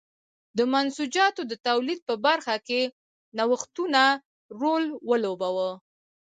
د منسوجاتو د تولید په برخه کې نوښتونو رول ولوباوه.